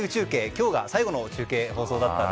今日が最後の中継でした。